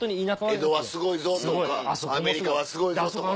「江戸はすごいぞ」とか「アメリカはすごいぞ」とか。